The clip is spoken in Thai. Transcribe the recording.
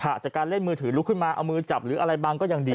จากการเล่นมือถือลุกขึ้นมาเอามือจับหรืออะไรบางก็ยังดี